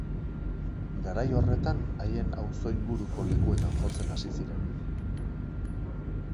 Garai horretan haien auzo inguruko lekuetan jotzen hasi ziren.